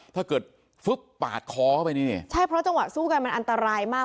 ถ้าเกิดฟึ๊บปาดคอเข้าไปนี่ใช่เพราะจังหวะสู้กันมันอันตรายมาก